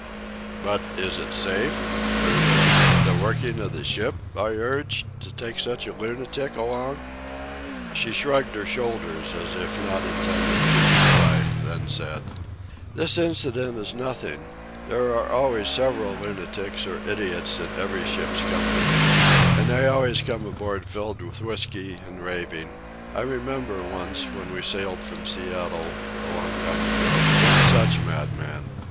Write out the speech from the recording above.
"But is it safe ... for the ... the working of the ship," I urged, "to take such a lunatic along?" She shrugged her shoulders, as if not intending to reply, then said: "This incident is nothing. There are always several lunatics or idiots in every ship's company. And they always come aboard filled with whiskey and raving. I remember, once, when we sailed from Seattle, a long time ago, one such madman.